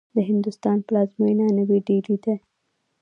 د هندوستان پلازمېنه نوې ډيلې دې.